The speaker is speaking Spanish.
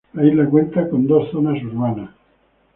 La isla cuenta con dos zonas urbanas.